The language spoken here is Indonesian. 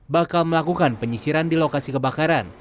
bakal melakukan penyisiran di lokasi kebakaran